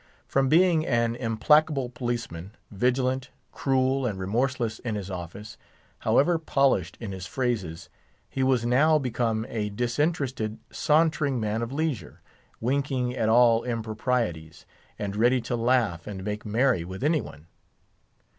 From being an implacable policeman, vigilant, cruel, and remorseless in his office, however polished in his phrases, he was now become a disinterested, sauntering man of leisure, winking at all improprieties, and ready to laugh and make merry with any one.